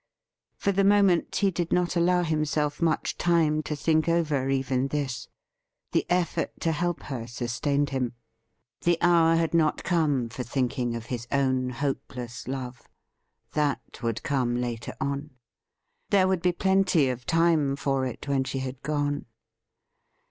For the moment he did not allow himself much time to think over even this. The effort to help her sustained him. The hour had not come for thinking of his own hopeless love. That would come later on ; there would be plenty of time for it when she had gone.